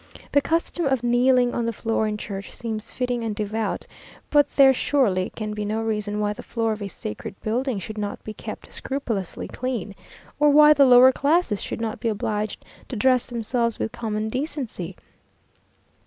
The custom of kneeling on the floor in church seems fitting and devout, but there surely can be no reason why the floor of a sacred building should not be kept scrupulously clean, or why the lower classes should not be obliged to dress themselves with common decency.